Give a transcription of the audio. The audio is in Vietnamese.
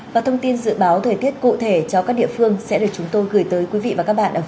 và thông tin dự báo thời tiết cụ thể cho các địa phương sẽ được chúng tôi gửi tới quý vị và các bạn